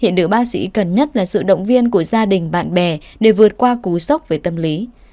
hiện nữ bác sĩ cần nhất là sự động viên của gia đình bạn bè để vượt qua cú sốc về tâm lý